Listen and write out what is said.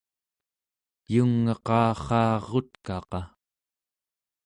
yung'eqarraarutkaqa